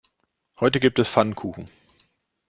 Heute gibt es Pfannkuchen.